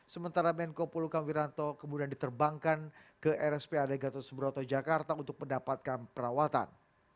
sementara menko poluka wiranto kemudian diterbangkan ke rsp adegato seberoto jakarta untuk mendapatkan perawatan